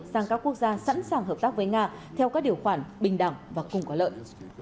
sang các quốc gia sẵn sàng hợp tác với nga theo các điều khoản bình đẳng và cùng có lợi